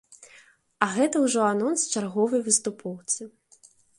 А гэта ўжо анонс чарговай выступоўцы.